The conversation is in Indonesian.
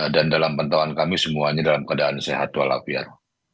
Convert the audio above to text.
dan dalam peneluan kami semuanya dalam keadaan sehat walafiat